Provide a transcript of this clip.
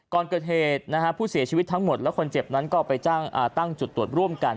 ก่อนเกิดเหตุผู้เสียชีวิตทั้งหมดและคนเจ็บนั้นก็ไปตั้งจุดตรวจร่วมกัน